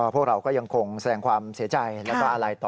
พวกเราก็ยังคงแสดงความเสียใจแล้วก็อะไรต่อ